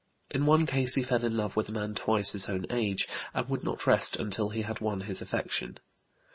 In one case he fell in love with a man twice his own age, and would not rest until he had won his affection.